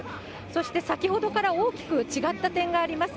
そして先ほどから大きく違った点があります。